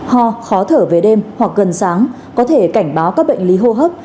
ho khó thở về đêm hoặc gần sáng có thể cảnh báo các bệnh lý hô hấp